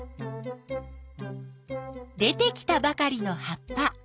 出てきたばかりの葉っぱ。